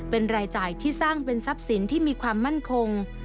เป็นรายจ่ายที่สร้างเป็นทรัพย์สินที่มีความมั่นคง